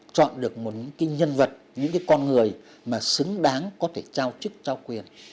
chọn được một cái nhân vật những cái con người mà xứng đáng có thể trao chức trao quyền